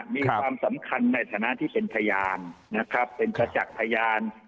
มีความสำคัญในฐานะที่เป็นพยานนะครับเป็นประจักษ์พยาน